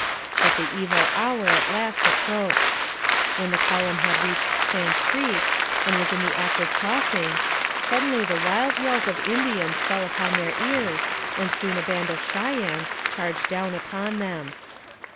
But the evil hour at last approached. When the column had reached Sand Creek, and was in the act of crossing, suddenly the wild yells of Indians fell upon their ears, and soon a band of Cheyennes charged down upon them.